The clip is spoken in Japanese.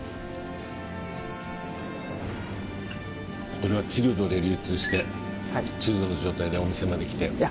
これはチルドで流通してチルドの状態でお店まで来ていや